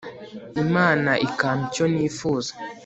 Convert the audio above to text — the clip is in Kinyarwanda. Imana ikampa icyo nifuza